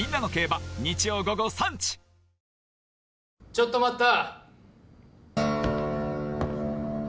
・ちょっと待った！